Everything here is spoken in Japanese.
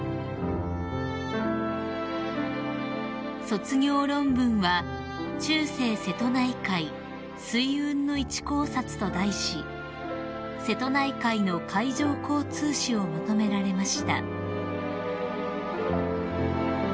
［卒業論文は『中世瀬戸内海水運の一考察』と題し瀬戸内海の海上交通史をまとめられました］